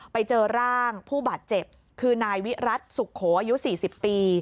ไปเจอร่างผู้บาดเจ็บคือนายวิรัติสุโขอายุ๔๐ปี